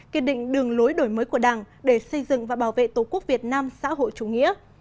kiên định đường lối đổi mới của đảng để xây dựng và bảo vệ tổ quốc việt nam xã hội chủ nghĩa